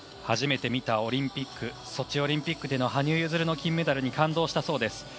初めて見たオリンピックソチオリンピックの羽生結弦の金メダルに感動したそうです。